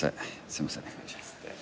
すいません」